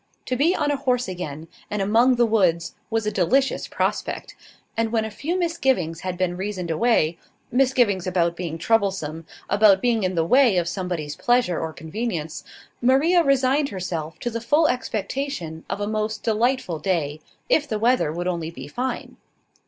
To be on a horse again, and among the woods, was a delicious prospect; and when a few misgivings had been reasoned away misgivings about being troublesome, about being in the way of somebody's pleasure or convenience Maria resigned herself to the full expectation of a most delightful day, if the weather would only be fine.